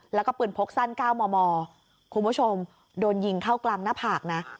แล้วก็ปืนพกสั้น๙มมคุณผู้ชมโดนยิงเข้ากลางหน้าผากนะ